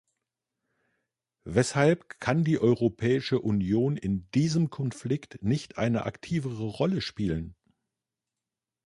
Weshalb kann die Europäische Union in diesem Konflikt nicht eine aktivere Rolle spielen?